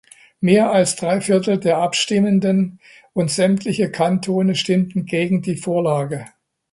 Mehr als drei Viertel der Abstimmenden und sämtliche Kantone stimmten gegen die Vorlage.